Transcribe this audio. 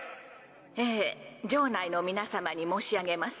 え場内の皆さまに申しあげます。